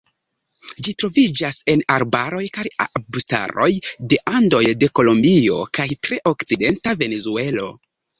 Ĝi troviĝas en arbaroj kaj arbustaroj de Andoj de Kolombio kaj tre okcidenta Venezuelo.